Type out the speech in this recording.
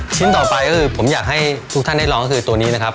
ต่อไปก็คือผมอยากให้ทุกท่านได้ลองก็คือตัวนี้นะครับ